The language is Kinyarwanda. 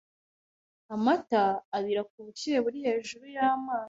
Amata abira ku bushyuhe buri hejuru y'amazi. (NekoKanjya)